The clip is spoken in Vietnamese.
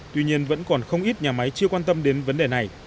tuy nhiên vẫn còn không ít nhà máy chưa quan tâm đến vấn đề này